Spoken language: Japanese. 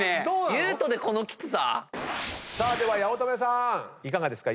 裕翔でこのきつさ⁉では八乙女さんいかがですか？